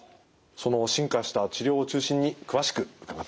その進化した治療を中心に詳しく伺っていきます。